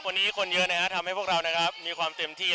วันนี้คนเยอะนะครับทำให้พวกเรานะครับมีความเต็มที่